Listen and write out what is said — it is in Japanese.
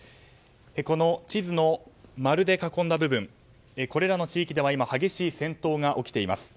この地図の丸で囲んだ部分これらの地域では今、激しい戦闘が起きています。